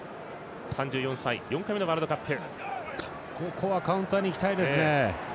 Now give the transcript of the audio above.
３４歳、４回目のワールドカップ。